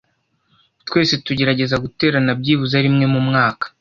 Twese tugerageza guterana byibuze rimwe mumwaka.